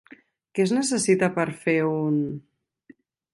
Què es necessita per fer un...?